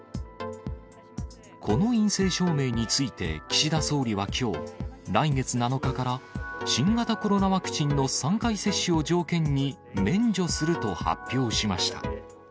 この陰性証明について、岸田総理はきょう、来月７日から、新型コロナワクチンの３回接種を条件に、免除すると発表しました。